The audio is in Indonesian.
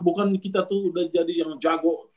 bukan kita tuh udah jadi yang jago